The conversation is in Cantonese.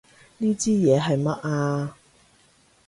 呢支嘢係乜啊？